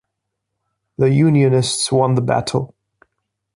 The unionists won the battle.